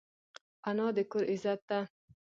انا د کور عزت ده